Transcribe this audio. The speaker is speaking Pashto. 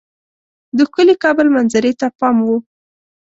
د ښکلي کابل منظرې ته پام وو.